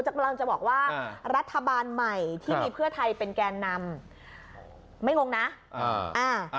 กำลังจะบอกว่ารัฐบาลใหม่ที่มีเพื่อไทยเป็นแกนนำไม่งงนะอ่าอ่า